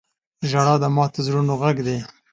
• ژړا د ماتو زړونو غږ دی.